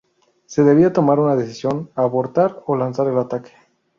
Se debía tomar una decisión, abortar o lanzar el ataque.